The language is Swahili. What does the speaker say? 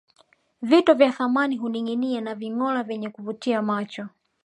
Vito vya mapambo huninginia na vingora vyenye kuvutia macho